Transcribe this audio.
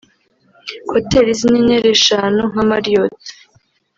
Hoteli z’inyenyeri eshanu nka Marriot